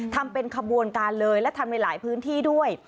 ทำเป็นขบวนการเลยและทำในหลายพื้นที่ด้วย